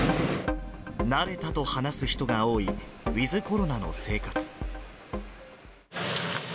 慣れたと話す人が多いウィズコロナの生活。